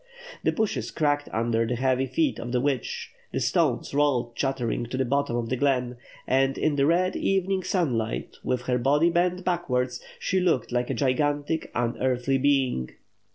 The bushes cracked under the heavy feet of the witch, "the stones rolle'd clattering to the bottom of the glen, and, in the red evening sunlight, with her body bent backwards, she looked like a gigantic, un eari; hly being.